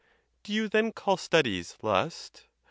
do you then call studies lust?